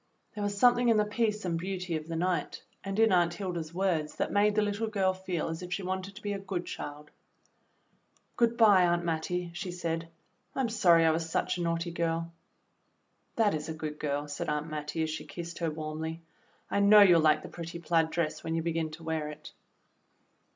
There was something in the peace and beauty of the night and in Aunt Hilda's words 40 THE BLUE AUNT that made the Httle girl feel as if she wanted to be a good child. "Good bye, Aunt Mattie," she said; "I'm sorry I was such a naughty girl." "That is a good girl," said Aunt Mattie, as she kissed her warmly. "I know you'll like the pretty plaid dress when you begin to wear it."